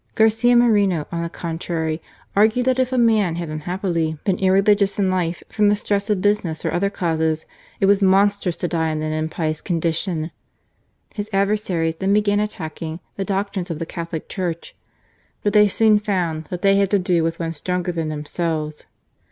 Garcia Moreno, on the con 56 GARCIA MORENO, trary, argued that if a man had unhappily been irreligious in life, from the stress of business or other causes, it was monstrous to die in that impious condition. His adversaries then began attacking the doctrines of the Catholic Church ; but they soon found that they had to do with one stronger than themselves.